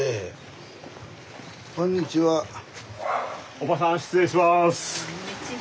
おばさん失礼します。